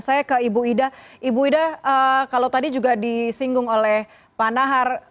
saya ke ibu ida ibu ida kalau tadi juga disinggung oleh pak nahar